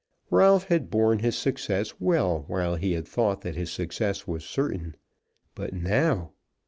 Ralph had borne his success well while he had thought that his success was certain; but now